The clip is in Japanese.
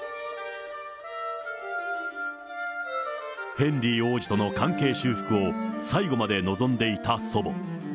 ヘンリー王子との関係修復を最期まで望んでいた祖母。